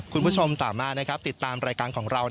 คุณผู้ชมสามารถติดตามรายการของเรา